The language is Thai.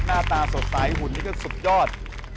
หน้าตาสดใสหุ่นนี่ก็สุดยอด